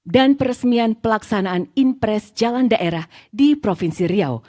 dan peresmian pelaksanaan inpres jalan daerah di provinsi riau